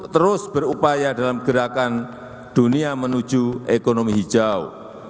terus berupaya dalam gerakan dunia menuju ekonomi hijau